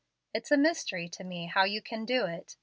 It's a mystery to me how you can do it.